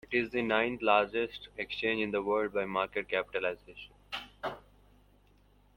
It is the ninth largest exchange in the world by market capitalization.